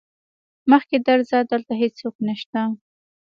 مخکې درځه دلته هيڅوک نشته.